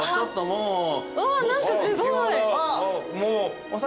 うわ何かすごい。お魚。